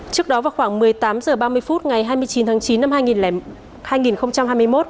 trước đó vào khoảng một mươi tám h ba mươi phút ngày hai mươi chín tháng chín năm hai nghìn